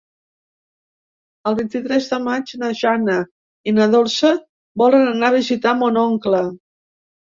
El vint-i-tres de maig na Jana i na Dolça volen anar a visitar mon oncle.